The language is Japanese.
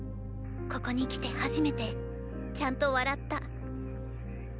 ここに来て初めてちゃんと笑った。